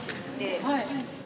はい。